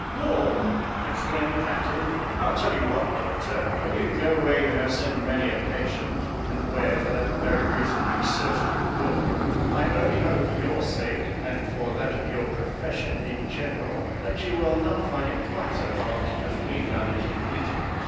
"Warm!" exclaimed the captain; "I'll tell you what, doctor, when you go where you have sent many a patient, and where, for that very reason, you certainly will go, I only hope, for your sake, and for that of your profession in general, that you will not find it quite so hot as we found it in Egypt.